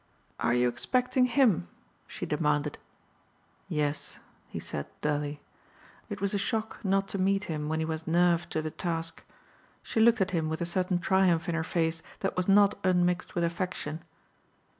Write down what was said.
"Are you expecting him?" she demanded. "Yes," he said dully. It was a shock not to meet him when he was nerved to the task. She looked at him with a certain triumph in her face that was not unmixed with affection.